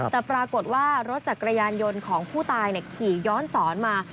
แต่ปรากฏว่ารถจักรยานยนต์ของผู้ตายขี่ย้อนสอนมา